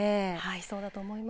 そうだと思います。